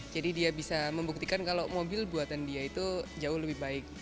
jadi dia bisa membuktikan kalau mobil buatan dia itu jauh lebih baik